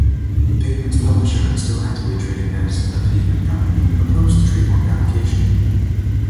"Pavement"'s publisher, still actively trading as "The Pavement Company", oppose the trademark application.